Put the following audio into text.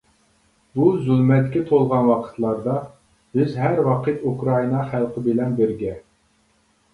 بۇ زۇلمەتكە تولغان ۋاقىتلاردا، بىز ھەر ۋاقىت ئۇكرائىنا خەلقى بىلەن بىرگە.